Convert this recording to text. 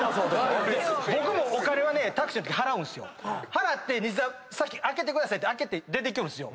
払って西澤先「開けてください」って開けて出ていきよるんすよ。